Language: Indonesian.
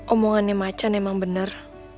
omongannya macan emang bener